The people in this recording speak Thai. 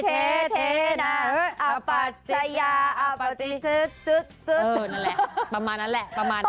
นั่นแหละประมาณนั้นแหละประมาณนั้น